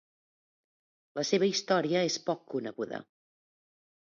La seva història és poc coneguda.